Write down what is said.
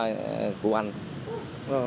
anh rút kinh nghiệm